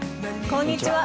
こんにちは。